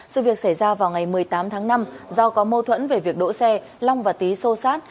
sự việc xảy ra vào ngày một mươi tám tháng năm do có mô thuẫn về việc đỗ xe long và tý sô sát